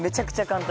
簡単？